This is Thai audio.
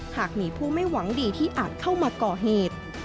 หากมีผู้ไม่หวังดีที่อาจเข้ามาก่อเหตุ